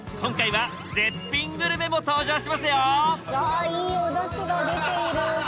今回はあいいおだしが出ている。